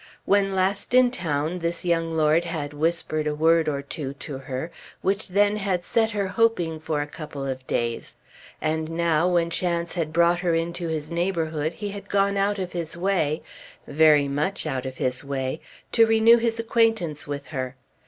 When last in town this young lord had whispered a word or two to her, which then had set her hoping for a couple of days; and now, when chance had brought her into his neighbourhood, he had gone out of his way, very much out of his way, to renew his acquaintance with her.